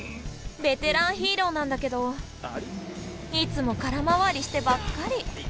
ベテランヒーローなんだけどいつも空回りしてばっかり。